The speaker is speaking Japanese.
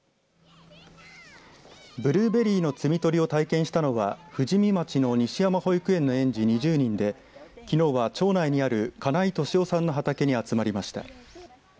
ブルーベリーの摘み取りを体験したのは富士見町の西山保育園の園児２０人できのうは町内にある金井俊男さんの畑に集まりました。